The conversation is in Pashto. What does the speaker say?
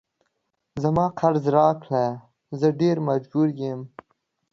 زما قرض راکړه زه ډیر مجبور یم